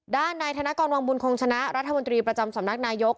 ด้านนายธนกรวังบุญคงชนะรัฐมนตรีประจำสำนักนายก